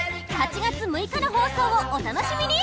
８月６日の放送をおたのしみに！